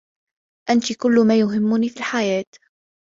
أنتِ كلّ ما يهمُّني في الحياة.